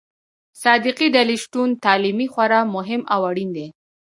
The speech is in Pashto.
صادقې ډلې شتون تعلیمي خورا مهم او اړين دي.